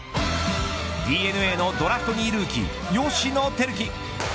ＤｅＮＡのドラフト２位ルーキー吉野光樹。